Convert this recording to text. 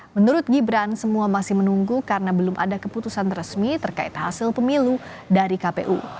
menurut gibran semua masih menunggu karena belum ada keputusan resmi terkait hasil pemilu dari kpu